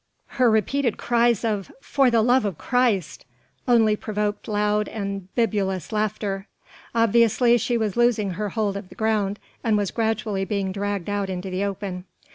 Her repeated cries of "For the love of Christ!" only provoked loud and bibulous laughter. Obviously she was losing her hold of the ground, and was gradually being dragged out into the open.